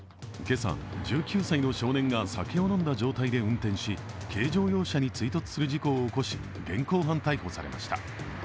今朝、１９歳の少年が酒を飲んだ状態で運転し軽乗用車に追突する事故を起こし現行犯逮捕されました。